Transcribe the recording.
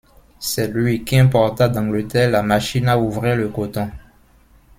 C'est lui qui importa d'Angleterre la machine à ouvrer le coton.